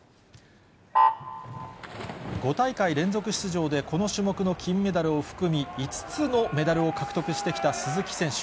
５大会連続出場で、この種目の金メダルを含み、５つのメダルを獲得してきた鈴木選手。